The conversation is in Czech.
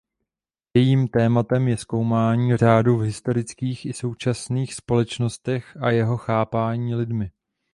Jejím tématem je zkoumání řádu v historických i současných společnostech a jeho chápání lidmi.